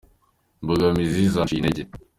imbogamizi zanciye intege.